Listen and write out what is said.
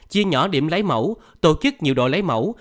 chia nhỏ điểm lấy mẫu tổ chức nhiều đội lấy mẫu